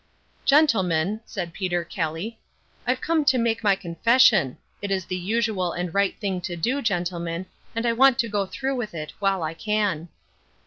"Gentlemen," said Peter Kelly, "I've come to make my confession. It is the usual and right thing to do, gentlemen, and I want to go through with it while I can."